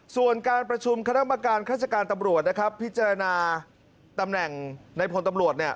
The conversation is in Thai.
ส่วนการประชุมคณะกรรมการฆาติการตำรวจนะครับพิจารณาตำแหน่งในพลตำรวจ